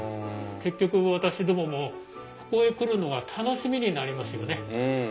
結局私どももここへ来るのが楽しみになりますよね。